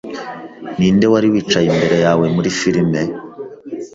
Ninde wari wicaye imbere yawe muri firime